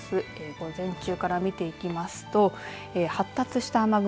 午前中から見ていきますと発達した雨雲